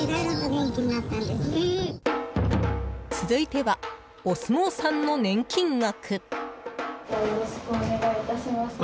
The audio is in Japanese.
続いては、お相撲さんの年金額。